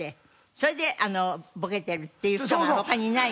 それでボケてるっていう人が他にいない。